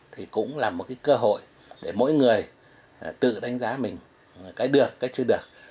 thì cũng là một cái cơ hội để mỗi người tự đánh giá mình cái được cái chưa được